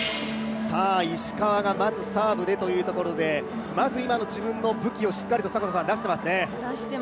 石川がまずサーブでというところでまず今の自分の武器をしっかりと出してますね。